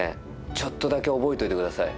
ちょっとだけ覚えといてください。